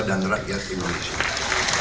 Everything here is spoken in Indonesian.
dan rakyat indonesia